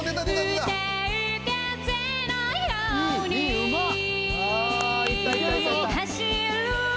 うまっ！